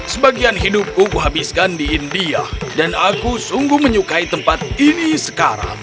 sebagian hidupku kuhabiskan di india dan aku sungguh menyukai tempat ini sekarang